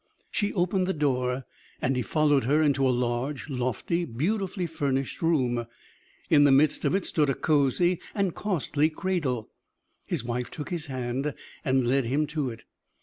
She opened the door, and he followed her into a large, lofty, beautifully furnished room. In the midst of it stood a cozy and costly cradle. His wife took his hand and led him to it.